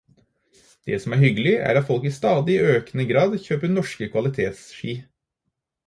Det som er hyggelig, er at folk i stadig økende grad kjøper norske kvalitetsski.